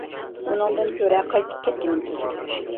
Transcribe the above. ئۇنىڭدىن كۆرە قايتىپ كەتكىنىم تۈزۈك.